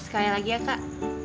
sekali lagi ya kak